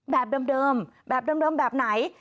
แบบเดิมแบบเดิมแบบไหน